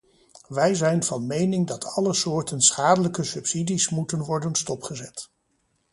Wij zijn van mening dat alle soorten schadelijke subsidies moeten worden stopgezet.